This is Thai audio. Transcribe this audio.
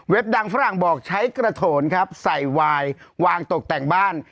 ดังฝรั่งบอกใช้กระโถนครับใส่วายวางตกแต่งบ้าน